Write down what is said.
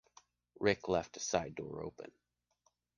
Rick left a side door open.